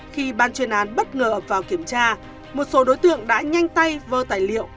khi ban chuyên án bất ngờ ập vào kiểm tra một số đối tượng đã nhanh tay vơ tài liệu